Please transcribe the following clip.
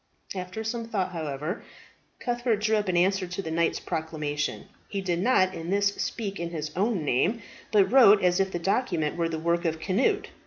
After some thought, however, Cuthbert drew up an answer to the knight's proclamation. He did not in this speak in his own name, but wrote as if the document were the work of Cnut.